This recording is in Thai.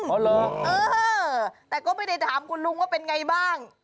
เหรอเออแต่ก็ไม่ได้ถามคุณลุงว่าเป็นไงบ้าง